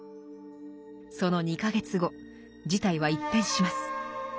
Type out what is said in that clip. その２か月後事態は一変します。